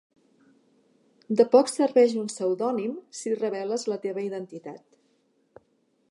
De poc serveix un pseudònim si reveles la teva identitat.